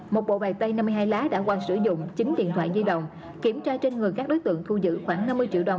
một bộ bày tay năm mươi hai lá đã qua sử dụng chín điện thoại di động kiểm tra trên người các đối tượng thu giữ khoảng năm mươi triệu đồng